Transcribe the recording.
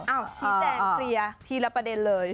อ้าวชี้แจงเตรียทีละประเด็นเลย